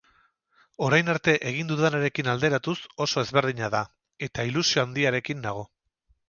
Orain arte egin dudanarekin alderatuz oso ezberdina da, eta ilusio handiarekin nago.